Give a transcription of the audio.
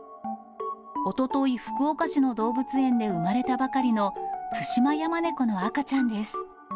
おととい、福岡市の動物園で生まれたばかりのツシマヤマネコの赤ちゃんです。